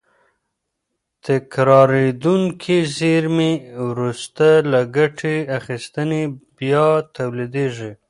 تکرارېدونکې زېرمې وروسته له ګټې اخیستنې بیا تولیدېږي.